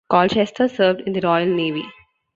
Colchester served in the Royal Navy.